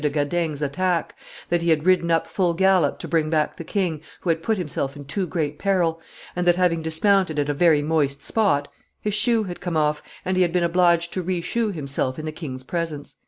de Gadaignes' attack, that he had ridden up full gallop to bring back the king, who had put himself in too great peril, and that, having dismounted at a very moist spot, his shoe had come off, and he had been obliged to re shoe himself in the king's presence."